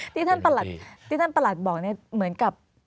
ที่ท่านประหลัดบอกเนี่ยเหมือนกับ